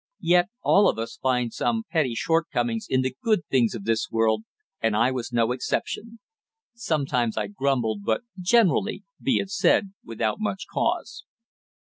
Yet all of us find some petty shortcomings in the good things of this world, and I was no exception. Sometimes I grumbled, but generally, be it said, without much cause.